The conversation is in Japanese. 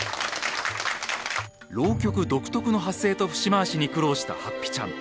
浪曲独特の発声と節回しに苦労したはっぴちゃん。。